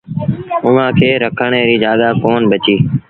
اُئآݩٚ کي رکڻ ريٚ جآڳآ ڪون بچي